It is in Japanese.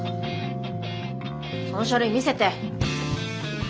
その書類見せて。